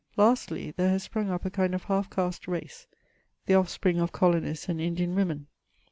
Lastly, there has sprung up a kind of half caste race, the off spring of colonists and Indian women.